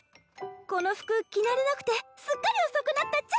この服着慣れなくてすっかり遅くなったっちゃ。